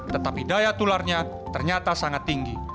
tetapi daya tularnya ternyata sangat tinggi